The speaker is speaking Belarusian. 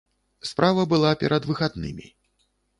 Справа была перад выхаднымі.